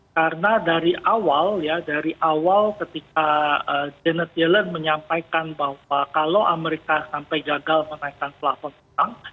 karena dari awal ya dari awal ketika janet yellen menyampaikan bahwa kalau amerika sampai gagal menaikkan pelaburan